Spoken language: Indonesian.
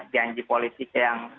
janji politik yang